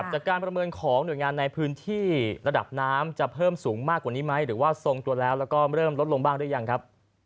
ประเมินของหน่วยงานในพื้นที่ระดับน้ำจะเพิ่มสูงมากกว่านี้ไหมหรือว่าทรงตัวแล้วแล้วก็เริ่มลดลงบ้างหรือยังครับ